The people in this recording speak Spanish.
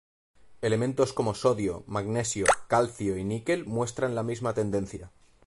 Elementos como sodio, magnesio, calcio y níquel muestran la misma tendencia.